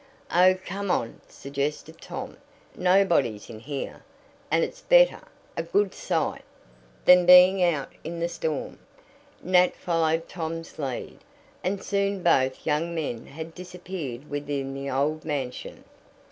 "Oh, come on," suggested Tom. "Nobody's in here, and it's better, a good sight, than being out in the storm." Nat followed Tom's lead, and soon both young men had disappeared within the old mansion.